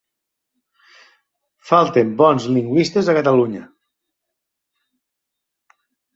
Falten bons lingüistes a Catalunya.